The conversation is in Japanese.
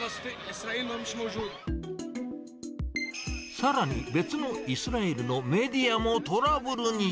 さらに、別のイスラエルのメディアもトラブルに。